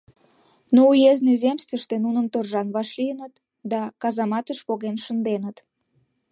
Но уездный земствыште нуным торжан вашлийыныт да казаматыш поген шынденыт.